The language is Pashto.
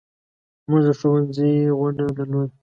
موږ د ښوونځي غونډه درلوده.